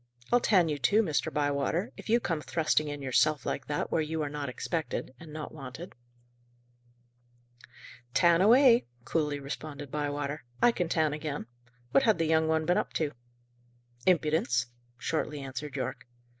I'll tan you too, Mr. Bywater, if you come thrusting in yourself, like that, where you are not expected, and not wanted." "Tan away," coolly responded Bywater. "I can tan again. What had the young one been up to?" "Impudence," shortly answered Yorke.